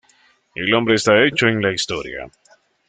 El hombre está hecho en la historia.